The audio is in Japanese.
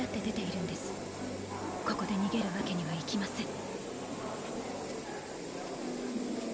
ここで逃げるわけにはいきません。